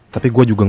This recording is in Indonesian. tapi gue juga gak mau